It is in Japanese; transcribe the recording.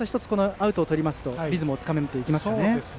アウトをとりますとリズムをつかめますかね。